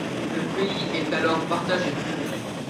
Le pays est alors partagé.